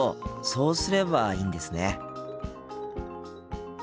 そうすればいいんですね。